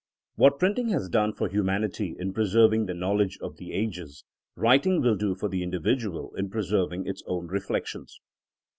What printing has done for humanity in preserving the knowledge of the ages, writing will do for the individual in pre serving his own reflections.